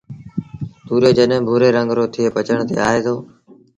تُوريو جڏهيݩ ڀُوري رنگ رو ٿئي پچڻ تي آئي دو